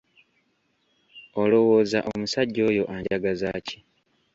Olowooza omusajja oyo anjagaza ki?